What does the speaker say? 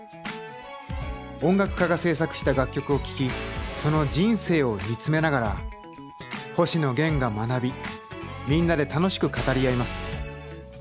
音楽家が制作した楽曲を聴きその人生を見つめながら星野源が学びみんなで楽しく語り合います。